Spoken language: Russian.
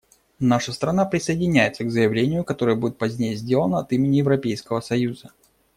Наша страна присоединяется к заявлению, которое будет позднее сделано от имени Европейского союза.